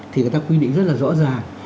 thì người ta quy định rất là rõ ràng